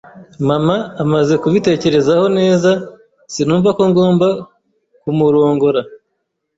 Mama, amaze kubitekerezaho neza, sinumva ko ngomba kumurongora.